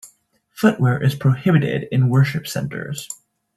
Footwear is prohibited in worship centers.